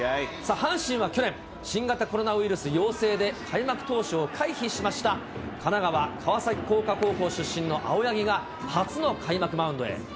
阪神は去年、新型コロナウイルス陽性で開幕投手を回避しました神奈川・川崎工科高校出身の青柳が、初の開幕マウンドへ。